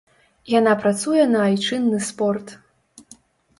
Яна працуе на айчынны спорт.